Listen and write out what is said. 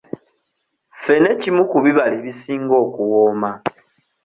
Ffene kimu ku bibala ebisinga okuwooma.